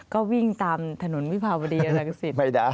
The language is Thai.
ก็วิ่งตามถนนพิพาบริการักษิติ